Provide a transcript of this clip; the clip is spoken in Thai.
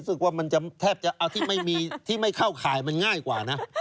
ซึ่งว่ามันแทบจะเอาที่ไม่เข้าขายมันง่ายกว่านะ